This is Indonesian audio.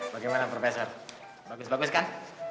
bagaimana profesor bagus bagus kan